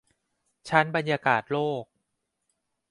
ชั้นบรรยากาศโลก